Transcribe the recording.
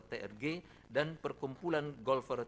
trg dan perkumpulan golfer